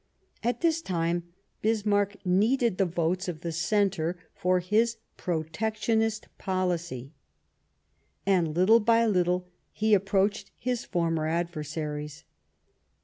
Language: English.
At that time Bismarck needed the votes of the Centre for his protectionist policy, and, little by little, he approached his former adversaries.